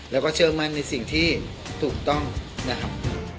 แล้วก็เชื่อมั่นในสิ่งที่ถูกต้องนะครับ